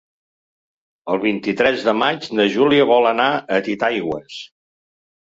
El vint-i-tres de maig na Júlia vol anar a Titaigües.